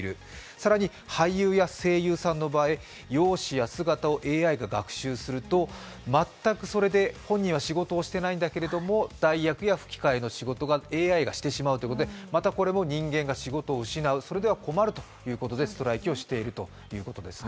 更に俳優や声優さんの場合、容姿や声をＡＩが学習すると、全く本人は仕事をしていないんだけれども代役や吹き替えの仕事をＡＩがしてしまうということでまたこれも人間が仕事を失う、それでは困るということでストライキをしているということですね。